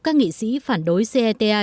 các nghị sĩ phản đối ceta